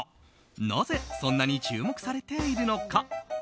なぜそんなに注目されているのか。